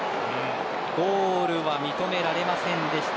ゴールは認められませんでした。